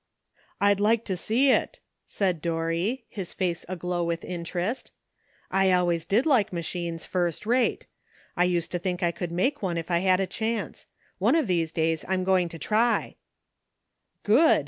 '* rd like to see it," said Dorry, his face aglow with interest. ''I always did like ma chines first rate. I used to think I could make one if I had a chance. One of these days I am going to try." *'Good!"